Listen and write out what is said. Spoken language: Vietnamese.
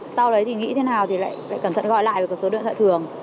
sau đấy thì nghĩ thế nào thì lại cẩn thận gọi lại về cái số điện thoại thường